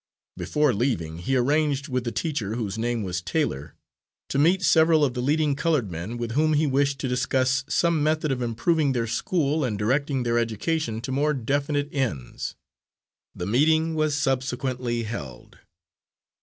Before leaving, he arranged with the teacher, whose name was Taylor, to meet several of the leading coloured men, with whom he wished to discuss some method of improving their school and directing their education to more definite ends. The meeting was subsequently held.